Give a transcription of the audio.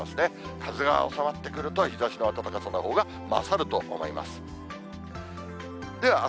風が収まってくると、日ざしの暖かさのほうがまさると思います。